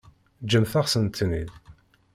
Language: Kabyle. Ǧǧemt-asen-ten-id.